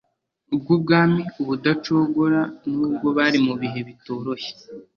bw Ubwami ubudacogora nubwo bari mu bihe bitoroshye